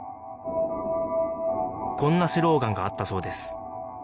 こんなスローガンがあったそうです